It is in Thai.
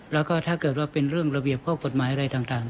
แล้วก็ถ้าเกิดว่าเป็นเรื่องระเบียบข้อกฎหมายอะไรต่าง